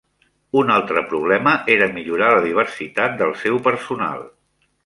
Un altre problema era millorar la diversitat del seu personal.